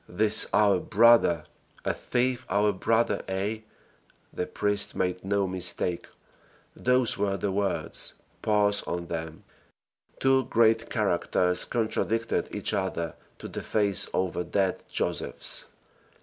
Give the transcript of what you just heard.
"THIS OUR BROTHER!" a thief our brother? ay! the priest made no mistake, those were the words; pause on them. Two great characters contradicted each other to the face over dead Josephs.